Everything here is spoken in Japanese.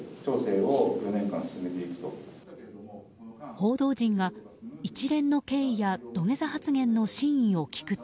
報道陣が一連の経緯や土下座発言の真意を聞くと。